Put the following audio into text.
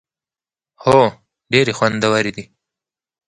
هو، ډیری خوندورې دي